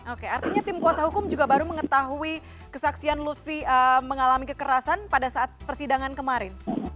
oke artinya tim kuasa hukum juga baru mengetahui kesaksian lutfi mengalami kekerasan pada saat persidangan kemarin